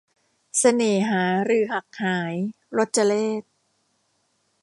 เสน่หาฤๅหักหาย - รจเรข